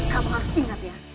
kamu harus ingat ya